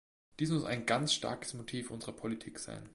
Dies muss ein ganz starkes Motiv unserer Politik sein.